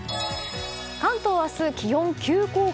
関東明日、気温急降下。